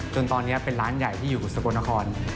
จนตอนนี้เป็นร้านใหญ่ที่อยู่สกลนคร